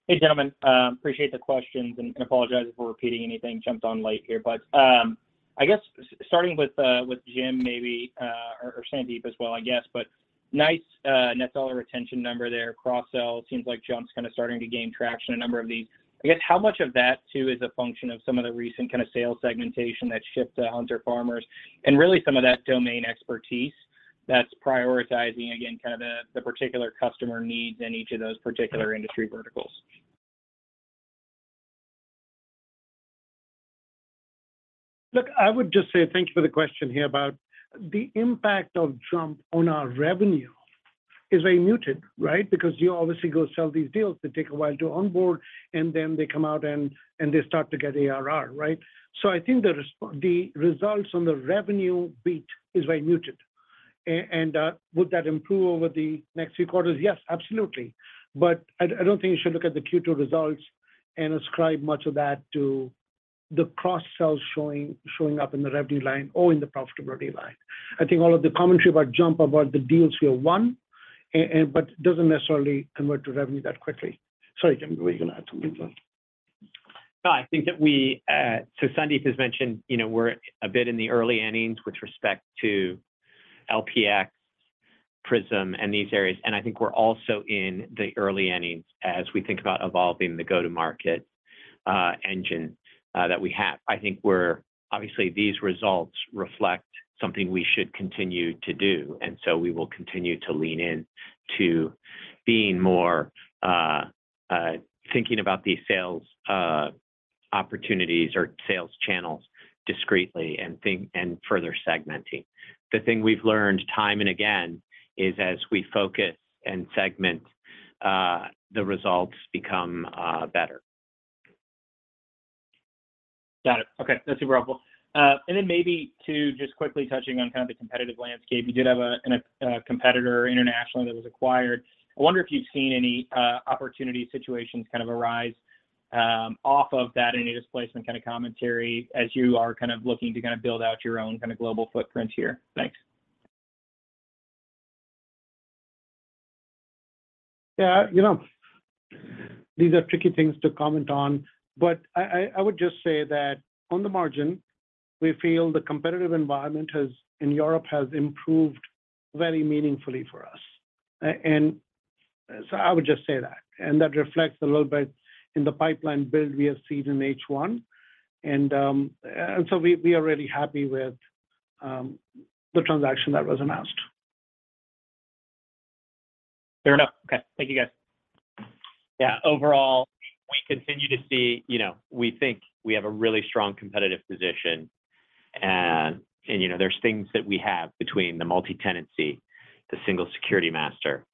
Hey, gentlemen. Appreciate the questions, and, and apologize if we're repeating anything. Jumped on late here. I guess starting with, with Jim, maybe, or, or Sandeep as well, I guess, but nice net dollar retention number there. Cross-sell seems like JUMP's kind of starting to gain traction, a number of these. I guess, how much of that, too, is a function of some of the recent kind of sales segmentation that shift to hunter-farmers and really some of that domain expertise that's prioritizing, again, kind of the, the particular customer needs in each of those particular industry verticals? Look, I would just say thank you for the question here about the impact of JUMP on our revenue is very muted, right? Because you obviously go sell these deals, they take a while to onboard, and then they come out and, and they start to get ARR, right? I think the results on the revenue beat is very muted. Would that improve over the next few quarters? Yes, absolutely. I, I don't think you should look at the Q2 results and ascribe much of that to the cross-sells showing, showing up in the revenue line or in the profitability line. I think all of the commentary about JUMP, about the deals we have won, and but it doesn't necessarily convert to revenue that quickly. Sorry, Jim, were you gonna add something then? No, I think that we, so Sandeep has mentioned, you know, we're a bit in the early innings with respect to LPx, Prism, and these areas. I think we're also in the early innings as we think about evolving the go-to-market engine that we have. I think we're... Obviously, these results reflect something we should continue to do, and so we will continue to lean in to being more, thinking about these sales opportunities or sales channels discreetly and think- and further segmenting. The thing we've learned time and again is, as we focus and segment, the results become better. Got it. Okay, that's super helpful. Then maybe to just quickly touching on kind of the competitive landscape. You did have a competitor internationally that was acquired. I wonder if you've seen any opportunity situations kind of arise off of that, any displacement kind of commentary as you are kind of looking to kind of build out your own kind of global footprint here. Thanks. Yeah, you know, these are tricky things to comment on, but I, I, I would just say that on the margin, we feel the competitive environment has, in Europe has improved very meaningfully for us. I would just say that, and that reflects a little bit in the pipeline build we have seen in H1. We, we are really happy with the transaction that was announced. Fair enough. Okay, thank you, guys. Yeah, overall, we continue to see, you know, we think we have a really strong competitive position. There's things that we have between the multi-tenancy, the single security master,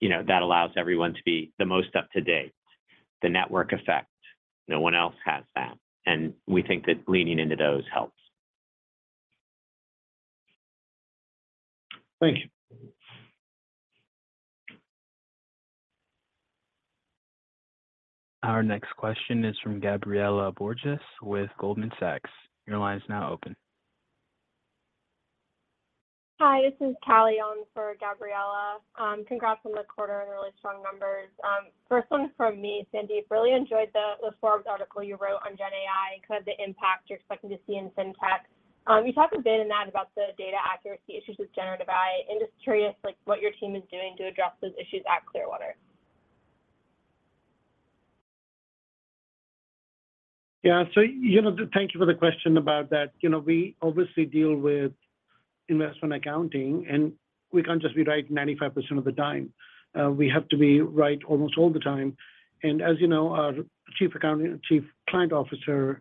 you know, that allows everyone to be the most up-to-date. The network effect, no one else has that, and we think that leaning into those helps. Thank you. Our next question is from Gabriela Borges, with Goldman Sachs. Your line is now open. Hi, this is Callie Young for Gabriela. Congrats on the quarter and really strong numbers. First one from me, Sandeep. Really enjoyed the Forbes article you wrote on GenAI and kind of the impact you're expecting to see in fintech. You talked a bit in that about the data accuracy issues with generative AI. I'm just curious, like, what your team is doing to address those issues at Clearwater? Yeah. You know, thank you for the question about that. You know, we obviously deal with investment accounting, and we can't just be right 95% of the time. We have to be right almost all the time. As you know, our Chief Client Officer,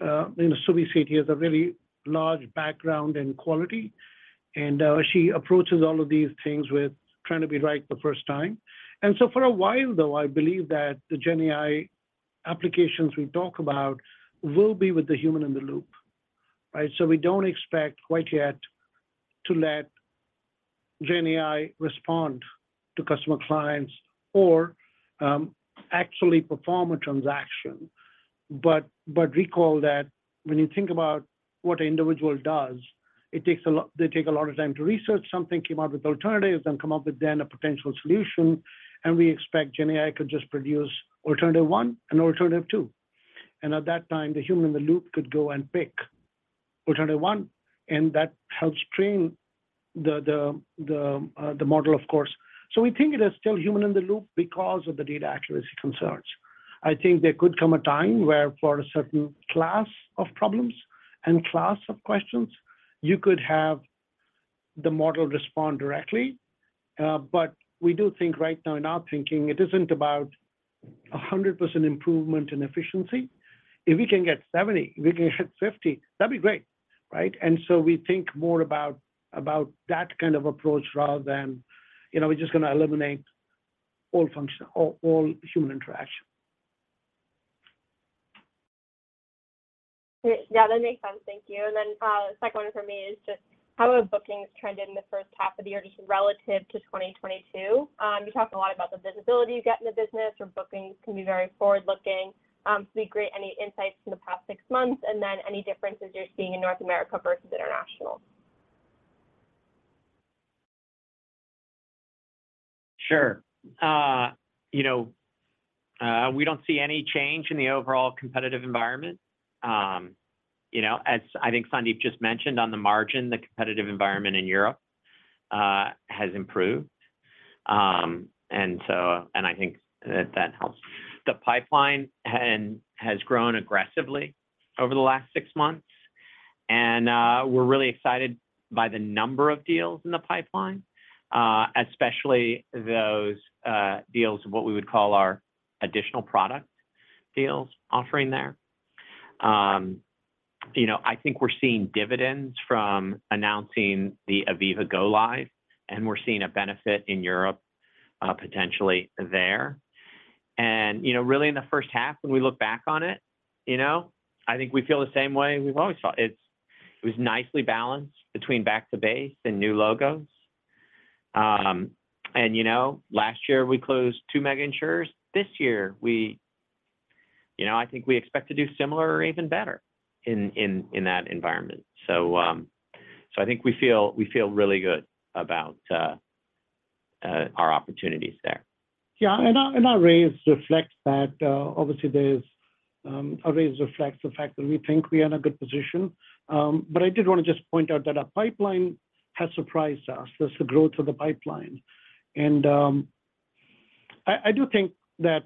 you know, Subi Sethi, has a really large background in quality, and she approaches all of these things with trying to be right the first time. For a while, though, I believe that the GenAI applications we talk about will be with the human in the loop, right? We don't expect quite yet to let GenAI respond to customer clients or actually perform a transaction. Recall that when you think about what an individual does, it takes a lot-- they take a lot of time to research something, come out with alternatives, and come up with then a potential solution, and we expect GenAI could just produce alternative 1 and alternative 2. At that time, the human in the loop could go and pick alternative 1, and that helps train the model, of course. We think it is still human in the loop because of the data accuracy concerns. I think there could come a time where for a certain class of problems and class of questions, you could have the model respond directly. We do think right now in our thinking, it isn't about 100% improvement in efficiency. If we can get 70, if we can get 50, that'd be great, right? So we think more about that kind of approach rather than, you know, we're just gonna eliminate all function, all human interaction. Yeah, that makes sense. Thank you. The second one for me is just how have bookings trended in the first half of the year just relative to 2022? You talked a lot about the visibility you get in the business, where bookings can be very forward-looking. We agree any insights from the past six months and then any differences you're seeing in North America versus international? Sure. you know, we don't see any change in the overall competitive environment. you know, as I think Sandeep just mentioned on the margin, the competitive environment in Europe has improved. I think that helps. The pipeline has grown aggressively over the last 6 months, and we're really excited by the number of deals in the pipeline, especially those deals, what we would call our additional product deals offering there. you know, I think we're seeing dividends from announcing the Aviva go live, and we're seeing a benefit in Europe potentially there. you know, really, in the first half, when we look back on it, you know, I think we feel the same way we've always felt. It was nicely balanced between back to base and new logos. You know, last year we closed two mega insurers. This year, we, you know, I think we expect to do similar or even better in, in, in that environment. So I think we feel, we feel really good about our opportunities there. Yeah, and our, and our raise reflects that. Obviously, there's, our raise reflects the fact that we think we are in a good position. I did want to just point out that our pipeline has surprised us, just the growth of the pipeline. I, I do think that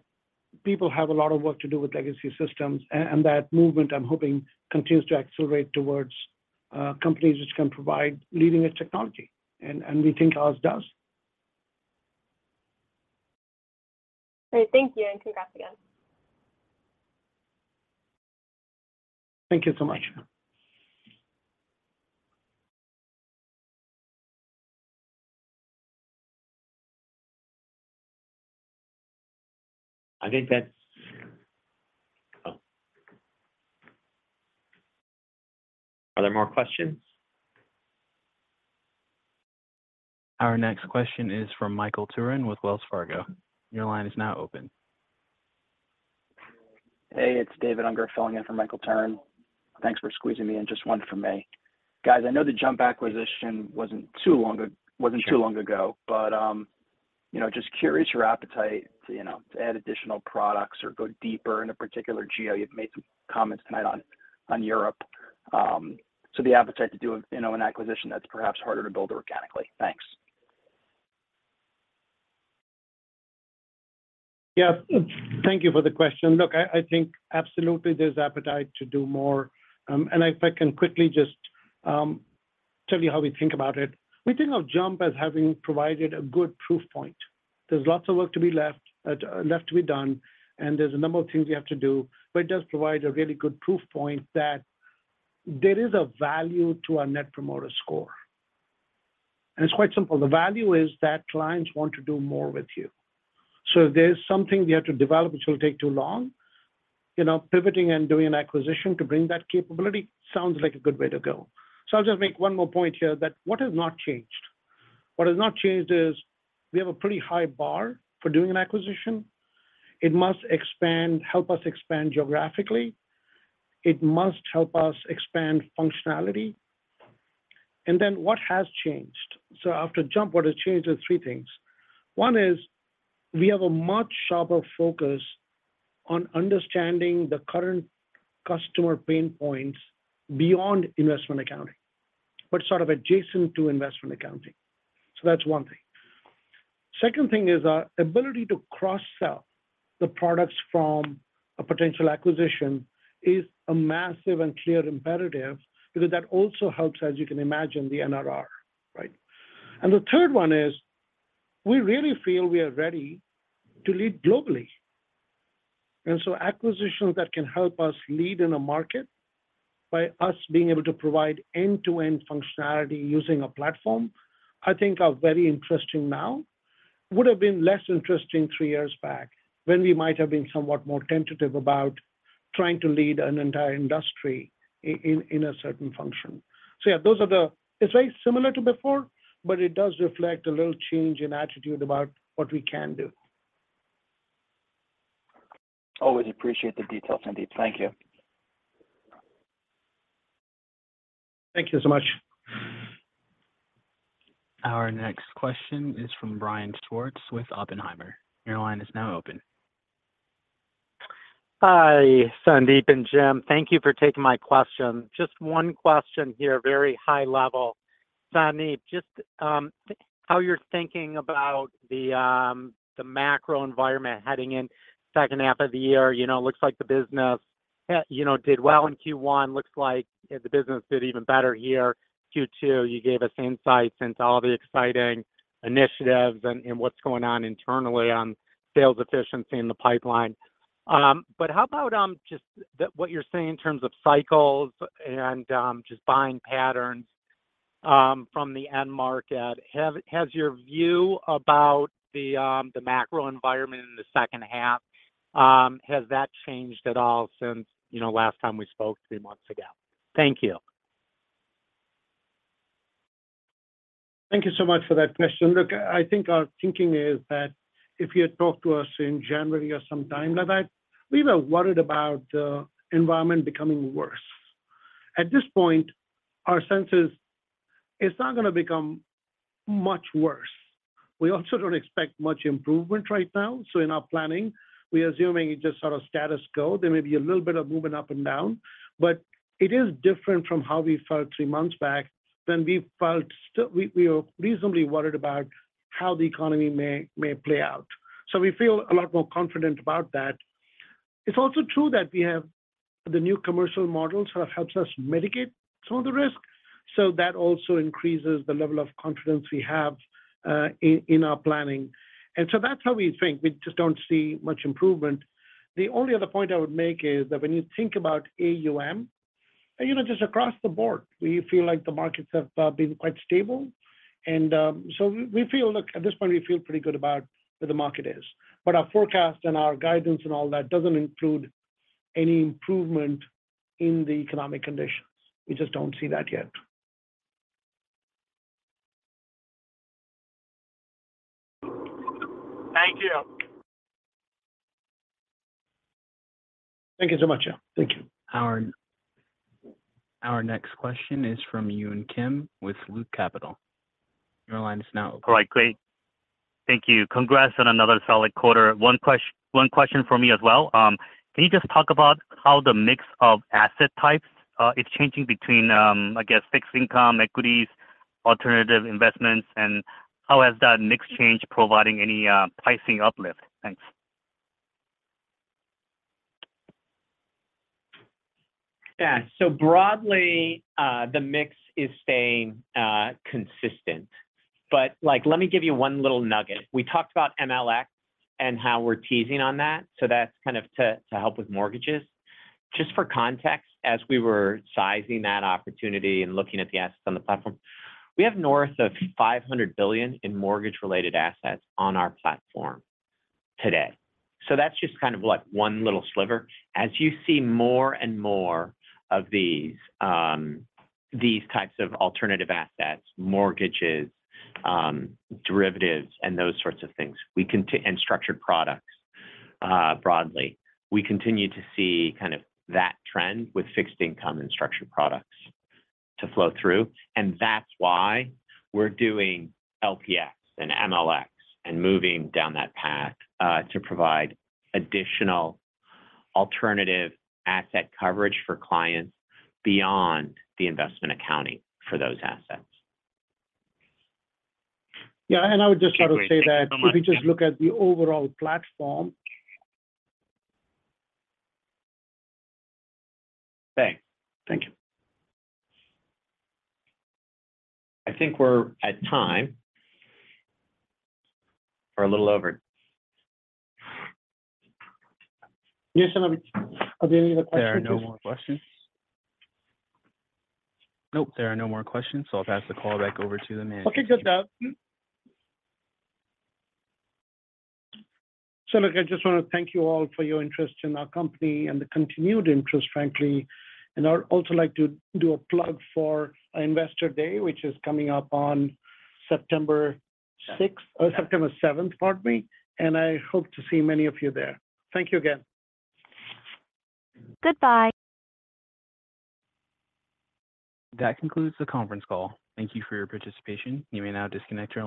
people have a lot of work to do with legacy systems, and that movement, I'm hoping, continues to accelerate towards companies which can provide leading-edge technology, and, and we think ours does. Great, thank you, and congrats again. Thank you so much. I think that's... Oh. Are there more questions? Our next question is from Michael Turrin with Wells Fargo. Your line is now open. Hey, it's David Unger filling in for Michael Turrin. Thanks for squeezing me in. Just one from me. Guys, I know the JUMP acquisition wasn't too long ago, but, you know, just curious your appetite to, you know, to add additional products or go deeper in a particular geo. You've made some comments tonight on, on Europe. The appetite to do, you know, an acquisition that's perhaps harder to build organically. Thanks. Yeah. Thank you for the question. Look, I, I think absolutely there's appetite to do more. If I can quickly just tell you how we think about it. We think of JUMP as having provided a good proof point. There's lots of work to be left left to be done, and there's a number of things we have to do, but it does provide a really good proof point that there is a value to our net promoter score. It's quite simple: the value is that clients want to do more with you. If there's something we have to develop, which will take too long, you know, pivoting and doing an acquisition to bring that capability sounds like a good way to go. I'll just make one more point here, that what has not changed?... What has not changed is we have a pretty high bar for doing an acquisition. It must expand, help us expand geographically. It must help us expand functionality. Then what has changed? After JUMP, what has changed is three things. One is we have a much sharper focus on understanding the current customer pain points beyond investment accounting, but sort of adjacent to investment accounting. Second thing is our ability to cross-sell the products from a potential acquisition is a massive and clear imperative, because that also helps, as you can imagine, the NRR, right? The third one is, we really feel we are ready to lead globally. Acquisitions that can help us lead in a market by us being able to provide end-to-end functionality using a platform, I think are very interesting now. Would have been less interesting three years back, when we might have been somewhat more tentative about trying to lead an entire industry in a certain function. So yeah, those are the-- It's very similar to before, but it does reflect a little change in attitude about what we can do. Always appreciate the details, Sandeep. Thank you. Thank you so much. Our next question is from Brian Schwartz with Oppenheimer. Your line is now open. Hi, Sandeep and Jim. Thank you for taking my question. Just one question here, very high level. Sandeep, just how you're thinking about the macro environment heading in second half of the year. You know, it looks like the business, you know, did well in Q1. Looks like the business did even better here, Q2. You gave us insights into all the exciting initiatives and, and what's going on internally on sales efficiency in the pipeline. But how about just the, what you're seeing in terms of cycles and just buying patterns from the end market? Have, has your view about the macro environment in the second half, has that changed at all since, you know, last time we spoke three months ago? Thank you. Thank you so much for that question. Look, I think our thinking is that if you had talked to us in January or some time like that, we were worried about the environment becoming worse. At this point, our sense is, it's not gonna become much worse. We also don't expect much improvement right now, so in our planning, we are assuming it just sort of status quo. There may be a little bit of movement up and down, but it is different from how we felt three months back when we felt still. We were reasonably worried about how the economy may play out. We feel a lot more confident about that. It's also true that we have the new commercial model sort of helps us mitigate some of the risk, so that also increases the level of confidence we have in our planning. That's how we think. We just don't see much improvement. The only other point I would make is that when you think about AUM, you know, just across the board, we feel like the markets have been quite stable. We feel, look, at this point, we feel pretty good about where the market is. Our forecast and our guidance and all that doesn't include any improvement in the economic conditions. We just don't see that yet. Thank you. Thank you so much, yeah. Thank you. Our next question is from Yun Kim with Loop Capital. Your line is now open. All right, great. Thank you. Congrats on another solid quarter. One question for me as well. Can you just talk about how the mix of asset types is changing between, I guess, fixed income, equities, alternative investments, and how has that mix changed, providing any pricing uplift? Thanks. Yeah. Broadly, the mix is staying consistent. Like, let me give you one little nugget. We talked about MLx and how we're teasing on that, so that's kind of to help with mortgages. Just for context, as we were sizing that opportunity and looking at the assets on the platform, we have north of $500 billion in mortgage-related assets on our platform today. That's just kind of like one little sliver. As you see more and more of these, these types of alternative assets, mortgages, derivatives, and those sorts of things, and structured products, broadly, we continue to see kind of that trend with fixed income and structured products to flow through. That's why we're doing LPx and MLx and moving down that path to provide additional alternative asset coverage for clients beyond the investment accounting for those assets. Yeah, I would just like to say that- Thank you so much if you just look at the overall platform. Thanks. Thank you. I think we're at time, or a little over. Yes, are, are there any other questions? There are no more questions? Nope, there are no more questions, so I'll pass the call back over to the manager. Okay, just look, I just want to thank you all for your interest in our company and the continued interest, frankly. I'd also like to do a plug for our Investor Day, which is coming up on September 6th, September 7th, pardon me, and I hope to see many of you there. Thank you again. Goodbye. That concludes the conference call. Thank you for your participation. You may now disconnect your lines.